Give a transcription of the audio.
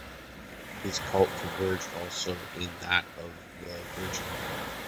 His cult converged also in that of the Virgin Mary.